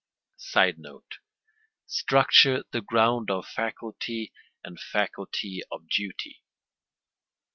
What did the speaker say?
[Sidenote: Structure the ground of faculty and faculty of duty.